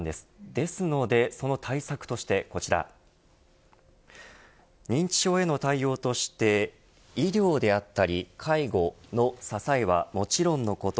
ですので、その対策としてこちら認知症への対応として医療であったり介護の支えはもちろんのこと